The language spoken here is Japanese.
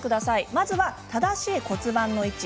まずは、正しい骨盤の位置。